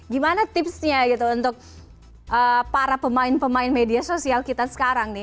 gimana tipsnya gitu untuk para pemain pemain media sosial kita sekarang nih